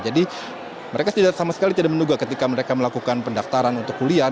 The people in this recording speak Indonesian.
jadi mereka tidak sama sekali tidak menunggu ketika mereka melakukan pendaftaran untuk kuliah